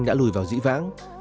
đã lùi vào dĩ vãng